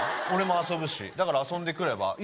俺も遊ぶしだから遊んでくれば？